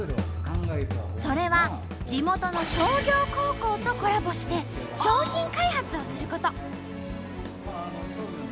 それは地元の商業高校とコラボして商品開発をすること！